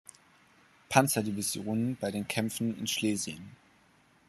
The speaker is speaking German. Panzer-Division bei den Kämpfen in Schlesien.